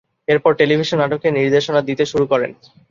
এরপর টেলিভিশন নাটকে নির্দেশনা দিতে শুরু করেন।